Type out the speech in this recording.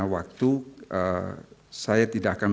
waktu saya tidak akan